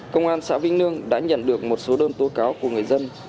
công an xã vinh nương đã nhận được một số đơn tố cáo của người dân